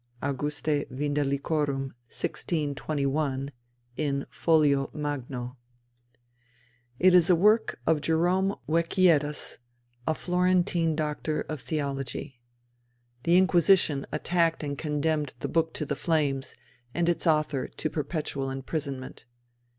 Augustae Vindelicorum_, 1621, in folio magno. It is a work of Jerome Wecchiettus, a Florentine doctor of theology. The Inquisition attacked and condemned the book to the flames, and its author to perpetual imprisonment.